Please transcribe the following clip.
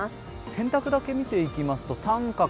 洗濯だけ見ていきますと△と×。